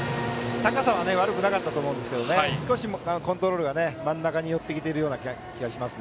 高さは悪くなかったと思いますが少しコントロールが真ん中に寄ってきている気がします。